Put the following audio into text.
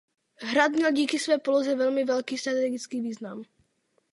Hrad měl díky své poloze velmi velký strategický význam.